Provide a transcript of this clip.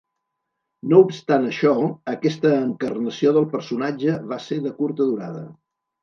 No obstant això, aquesta encarnació del personatge va ser de curta durada.